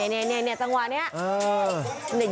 เนี่ยจังหวะเนี่ย